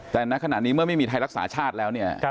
แต่ณขณะนี้เมื่อไม่มีไทยรักษาชาติแล้วเนี่ย